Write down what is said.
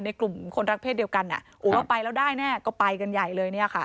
ในกลุ่มคนรักเพศเดียวกันว่าไปแล้วได้แน่